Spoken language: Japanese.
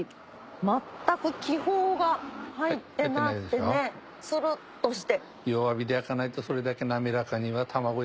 全く気泡が入ってなくてツルっとして。